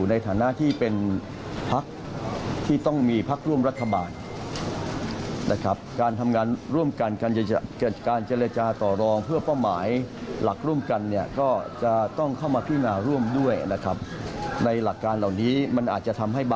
อันนี้ต้องกลับขออภัยจริงนะครับ